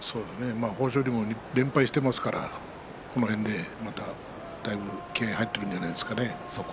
豊昇龍、連敗していますから、この辺りだいぶ気合いが入っているんじゃないですかね。